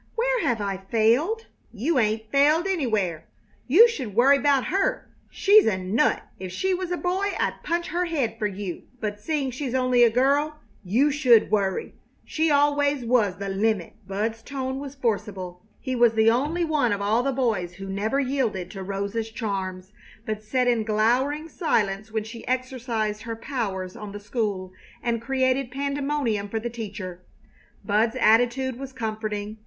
Where have I failed?" "You 'ain't failed anywhere! You should worry 'bout her! She's a nut! If she was a boy I'd punch her head for her! But seeing she's only a girl, you should worry! She always was the limit!" Bud's tone was forcible. He was the only one of all the boys who never yielded to Rosa's charms, but sat in glowering silence when she exercised her powers on the school and created pandemonium for the teacher. Bud's attitude was comforting.